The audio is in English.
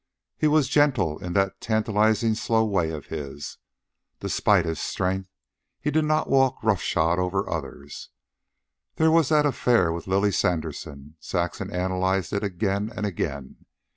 He was gentle in that tantalizing slow way of his. Despite his strength, he did not walk rough shod over others. There was the affair with Lily Sanderson. Saxon analysed it again and again.